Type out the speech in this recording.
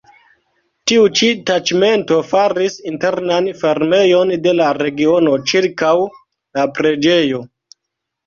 Tiu ĉi taĉmento faris internan fermejon de la regiono ĉirkaŭ la preĝejo.